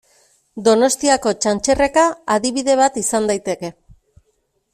Donostiako Txantxerreka adibide bat izan daiteke.